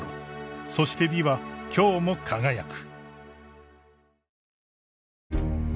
［そして美は今日も輝く］